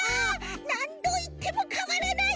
なんどいってもかわらない！